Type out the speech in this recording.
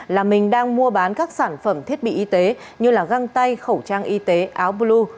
là mình đang mua bán các sản phẩm thiết bị y tế như găng tay khẩu trang y tế áo blu